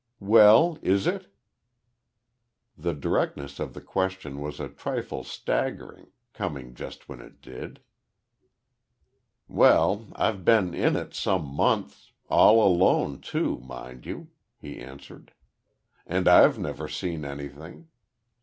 "Well, is it?" The directness of the question was a trifle staggering, coming just when it did. "Well, I've been in it some months all alone too, mind you," he answered, "and I've never seen anything.